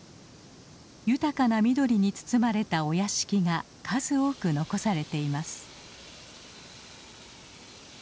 豊かな緑に包まれたお屋敷が数多く残されています。